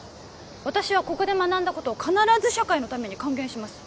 私はここで学んだことを必ず社会のために還元します